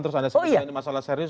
terus ada masalah serius